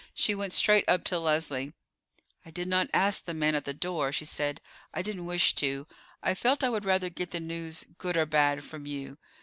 She went straight up to Leslie. "I did not ask the man at the door," she said. "I didn't wish to; I felt I would rather get the news, good or bad, from you.